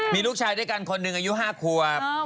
มีลูกชายด้วยกันคนหนึ่งอายุ๕ขวบ